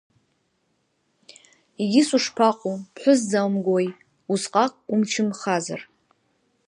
Егьыс, ушԥаҟоу, ԥҳәыс дзааумгои, усҟак умчымхазар?